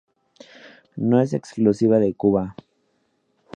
No es exclusiva de Cuba.